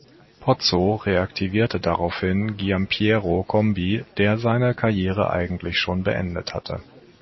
Pozzo reaktivierte daraufhin Giampiero Combi, der seine Karriere eigentlich schon beendet hatte.